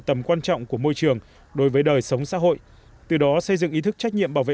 tầm quan trọng của môi trường đối với đời sống xã hội từ đó xây dựng ý thức trách nhiệm bảo vệ